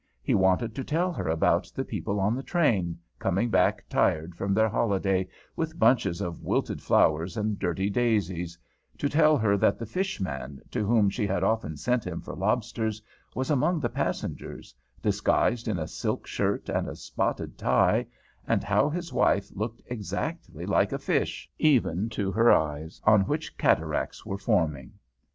He wanted to tell her about the people on the train, coming back tired from their holiday with bunches of wilted flowers and dirty daisies; to tell her that the fish man, to whom she had often sent him for lobsters, was among the passengers, disguised in a silk shirt and a spotted tie, and how his wife looked exactly like a fish, even to her eyes, on which cataracts were forming.